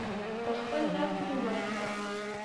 په خپل لاس مې ورکړ.